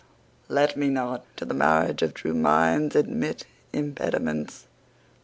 CXVI Let me not to the marriage of true minds Admit impediments.